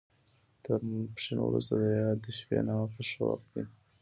تر ماسپښین وروسته یا د شپې ناوخته ښه وخت دی.